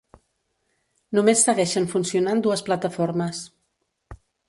Només segueixen funcionant dues plataformes.